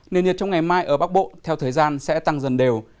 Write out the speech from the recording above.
nền nhiệt trong ngày mai ở bắc bộ theo thời gian sẽ tăng dần đều